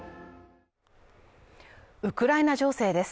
ウクライナ情勢です。